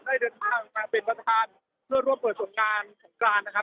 ได้เดินข้างเป็นประธานเพื่อร่วมเปิดส่วนการของการนะครับ